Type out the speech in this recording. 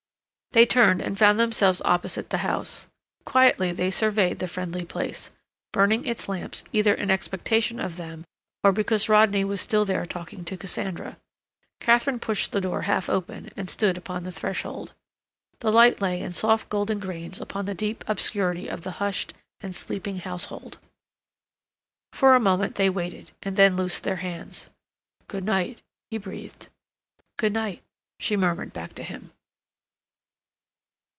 They turned and found themselves opposite the house. Quietly they surveyed the friendly place, burning its lamps either in expectation of them or because Rodney was still there talking to Cassandra. Katharine pushed the door half open and stood upon the threshold. The light lay in soft golden grains upon the deep obscurity of the hushed and sleeping household. For a moment they waited, and then loosed their hands. "Good night," he breathed. "Good night," she murmured back to him.